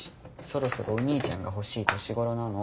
そろそろお兄ちゃんが欲しい年頃なの。